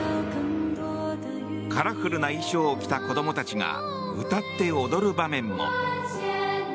カラフルな衣装を着た子どもたちが歌って踊る場面も。